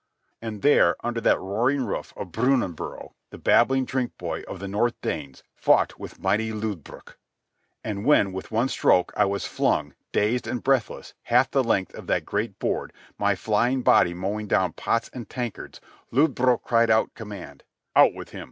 And there, under that roaring roof of Brunanbuhr, the babbling drink boy of the North Danes fought with mighty Lodbrog. And when, with one stroke, I was flung, dazed and breathless, half the length of that great board, my flying body mowing down pots and tankards, Lodbrog cried out command: "Out with him!